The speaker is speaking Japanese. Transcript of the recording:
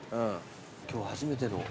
今日初めての。